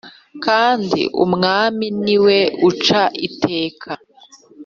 kandi umwami niwe uca iteka,